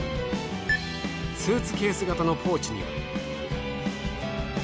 スーツケース型のポーチに。